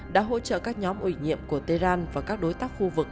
đã hỗ trợ các nhóm ủy nhiệm của tehran và các đối tác khu vực